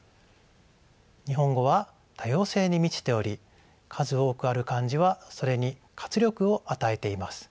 日本語は多様性に満ちており数多くある漢字はそれに活力を与えています。